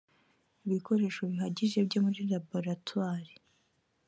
ibikoresho bihagije byo muri laboratwari